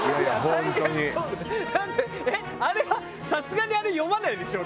あれはさすがにあれ読まないでしょ？